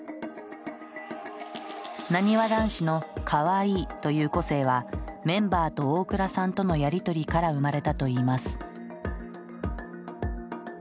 なにわ男子の「かわいい」という個性はメンバーと大倉さんとのやり取りから生まれたといいます。